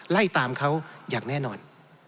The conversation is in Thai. ไล่ตามเขาอย่างแน่นอน